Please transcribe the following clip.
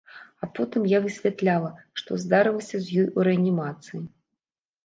А потым я высвятляла, што здарылася з ёй у рэанімацыі.